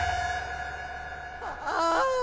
ああ！